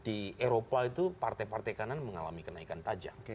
itu partai partai kanan mengalami kenaikan tajam